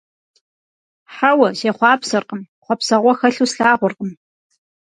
Хьэуэ, сехъуапсэркъым, хъуэпсэгъуэ хэлъу слъагъуркъым.